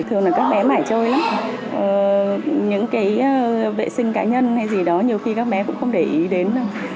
thường là các bé mãi chơi lắm những vệ sinh cá nhân hay gì đó nhiều khi các bé cũng không để ý đến